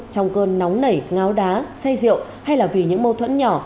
trong cơn nóng nảy ngáo đá say rượu hay là vì những mâu thuẫn nhỏ